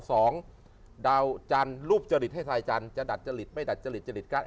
สองดาวจันทร์รูปจริตให้ทรายจันทร์จะดัดจริตไม่ดัดจริตจริตกัน